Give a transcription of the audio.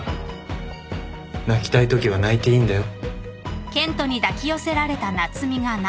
泣きたいときは泣いていいんだよ。